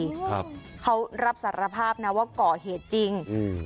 ครับเขารับสารภาพนะว่าก่อเหตุจริงอืม